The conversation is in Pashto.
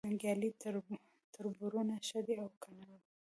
ننګیالي تربرونه ښه دي او که نه وي